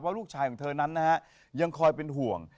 ลูกชายของเธอนั้นนะฮะยังคอยเป็นห่วง